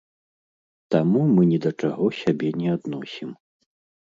Таму мы ні да чаго сябе не адносім.